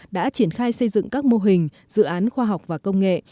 đã triển khai xây dựng các mô hình dự án khoa học và công nghệ